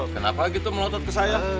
kenapa gitu melotot ke saya